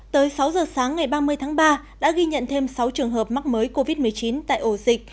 tới sáu giờ sáng ngày ba mươi tháng ba đã ghi nhận thêm sáu trường hợp mắc mới covid một mươi chín tại ổ dịch